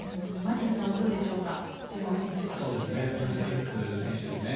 槙野さんはどうでしょうかブスケツ選手ですね。